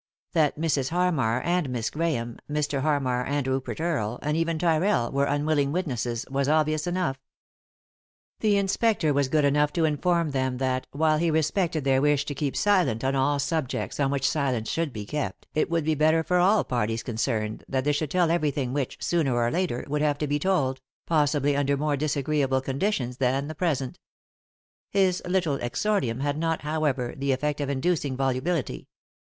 That Mrs. Harmar and Miss Grahame, Mr. Harmar and Rupert Earle, and even Tyrrell, were unwilling witnesses, was obvious enough. The inspector was good enough to inform them that, while he respected their wish to keep silent on all subjects on which silence should be kept, it would be better for all parties concerned that they should tell everything which, sooner or later, would have to be told, possibly under more disagreeable conditions than the present His little exordium had not, however, the effect of inducing volubility.